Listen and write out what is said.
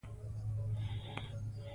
شفافه اړیکه د غلط فهمۍ مخه نیسي.